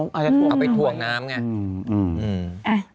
อ๋ออาจจะถ่วงน้ำไงเอาไปถ่วงน้ำไง